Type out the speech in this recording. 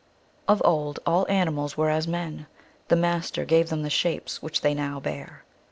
Of old all ani mals were as men ; the Master gave them the shapes which they now bear.